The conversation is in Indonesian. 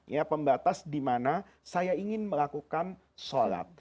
ya pembatas dimana saya ingin melakukan sholat